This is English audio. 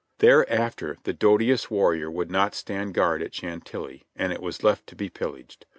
Thereafter the doughtiest warrior would not stand guard at Chantilly, and it was left to be pillaged.